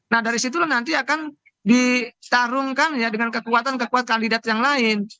nah dari situlah nanti akan disarungkan ya dengan kekuatan kekuatan kandidat yang lain